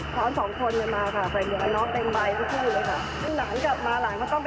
สวัสดีครับ